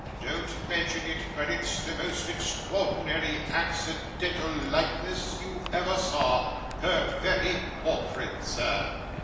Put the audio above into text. Don't mention it, but it's the most extraordinary accidental likeness you ever saw her very portrait, sir!